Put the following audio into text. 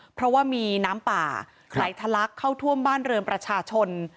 เพราะว่ามีน้ำป่าไหลทะลักเข้าท่วมบ้านเรือนประชาชน